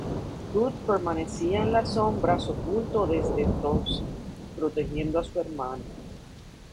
Bud permanecía en la sombras oculto desde entonces, protegiendo a su hermano.